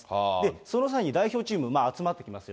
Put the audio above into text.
その際に代表チーム集まってますよ。